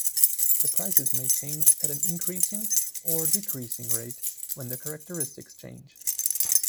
The prices may change at an increasing or decreasing rate when the characteristics change.